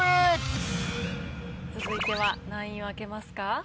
続いては何位を開けますか？